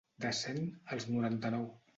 De cent, els noranta-nou.